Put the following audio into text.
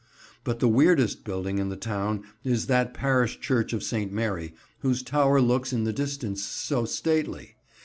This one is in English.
But the weirdest building in the town is that parish church of St. Mary whose tower looks in the distance so stately.